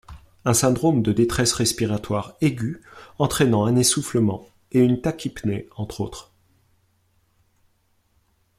Un syndrome de détresse respiratoire aiguë entraînant un essoufflement et une tachypnée entre autres.